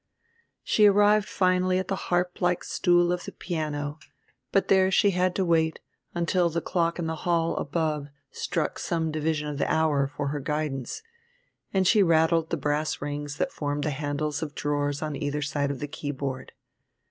She arrived finally at the harplike stool of the piano; but there she had to wait until the clock in the hall above struck some division of the hour for her guidance, and she rattled the brass rings that formed the handles of drawers on either side of the keyboard.